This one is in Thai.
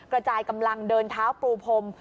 กระจายกำลังเดินเท้าปรูพรม